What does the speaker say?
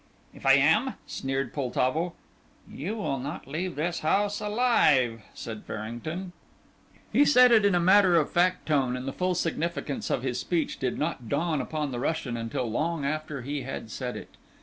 "If I am ?" sneered Poltavo. "You will not leave this house alive," said Farrington. He said it in a matter of fact tone, and the full significance of his speech did not dawn upon the Russian until long after he had said it.